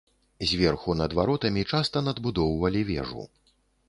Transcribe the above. Зверху над варотамі часта надбудоўвалі вежу.